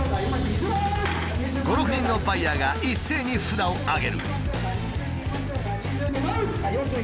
５６人のバイヤーが一斉に札を挙げる。